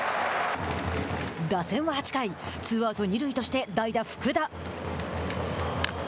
打線は８回ツーアウト、二塁として代打福田。